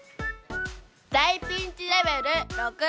大ピンチレベル６。